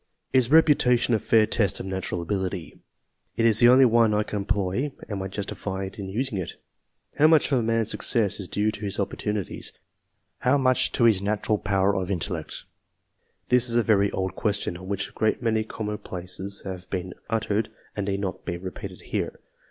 Is reputation a fair_teat of natural ability? It is the only e I can employ anTl justified in using it ? How much f a man's success is due to his opportunities, how much his natural power of intellect ? This is a very old question, on which a great many commonplaces have been uttered that need not be repeated here.